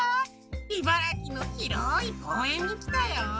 茨城のひろいこうえんにきたよ。